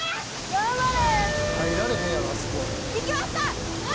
・・頑張れ！